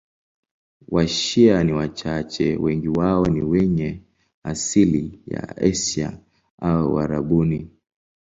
Washia ni wachache, wengi wao ni wenye asili ya Asia au Uarabuni.